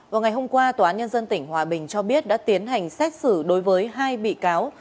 vào ngày hôm qua tòa án nhân dân tỉnh hòa bình cho biết đã tiến hành xét xử đối với hai bị cáo